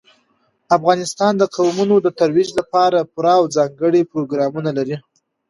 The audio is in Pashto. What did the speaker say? افغانستان د قومونه د ترویج لپاره پوره او ځانګړي پروګرامونه لري.